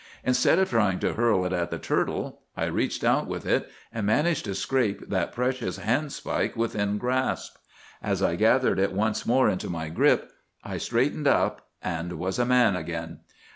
Instead of trying to hurl it at the turtle, I reached out with it, and managed to scrape that precious handspike within grasp. As I gathered it once more into my grip, I straightened up and was a man again.